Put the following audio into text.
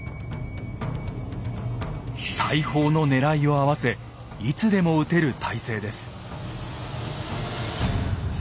大砲の狙いを合わせいつでも撃てる態勢です。